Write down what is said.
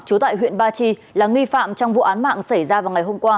trú tại huyện ba chi là nghi phạm trong vụ án mạng xảy ra vào ngày hôm qua